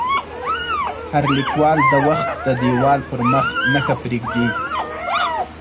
هر لیکوال د وخت د دیوال پر مخ نښه پرېږدي.